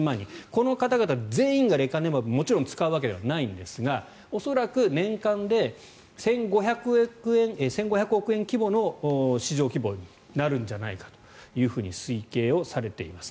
この方々全員がレカネマブもちろん使うわけではないんですが恐らく年間で１５００億円規模の市場規模になるんじゃないかと推計されています。